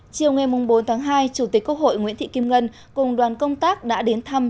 chiều ngày bốn tháng hai chủ tịch quốc hội nguyễn thị kim ngân cùng đoàn công tác đã đến thăm